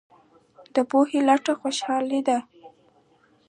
د پوهې لټه خوشحالي ده.